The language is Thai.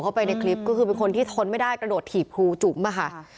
ไปในคลิปก็คือเป็นคนที่ทนไม่ได้กระโดดถีบครูจุ๋มอะค่ะ